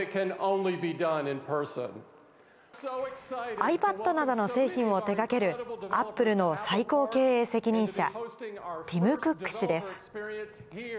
ｉＰａｄなどの製品を手がける、アップルの最高経営責任者、ティム・クック氏です。